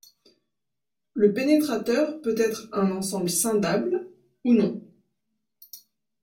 Le pénétrateur peut être un ensemble scindable ou non.